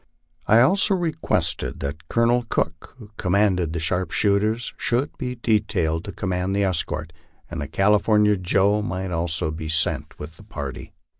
I also requested that Colonel Cook, who commanded the sharpshooters, should be detailed to command the escort, and that California Joe might also be sent with the party.